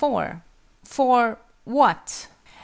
Four what?